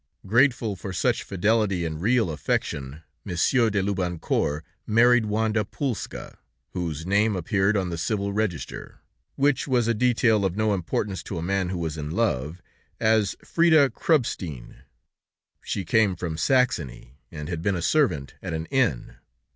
Grateful for such fidelity and real affection, Monsieur de Loubancourt married Wanda Pulska, whose name appeared on the civil register which was a detail of no importance to a man who was in love as Frida Krubstein; she came from Saxony, and had been a servant at an inn.